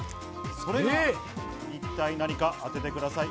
それは一体何か当ててください。